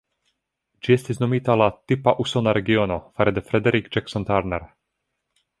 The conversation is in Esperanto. Ĝi estis nomita la "tipa usona" regiono fare de Frederick Jackson Turner.